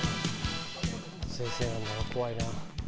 先生なんだな怖いな。